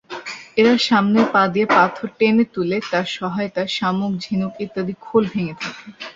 এরা সামনের পা দিয়ে পাথর টেনে তুলে তার সহায়তায় শামুক, ঝিনুক ইত্যাদির খোল ভেঙ্গে থাকে।